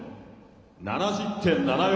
７０．７４。